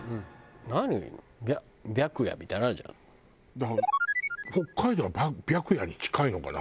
だから北海道は白夜に近いのかな？